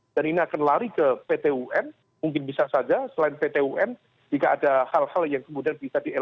dan ini akan lari ke pt un mungkin bisa saja selain pt un jika ada hal hal yang kemudian bisa dieleksi